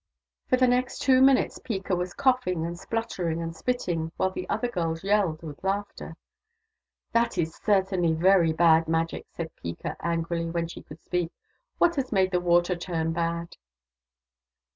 For the next two minutes Peeka was coughing and spluttering and spitting, while the other girls yelled with laughter. " That is certainly very bad Magic," said Peeka angrily, when she could speak. " What has made the water turn bad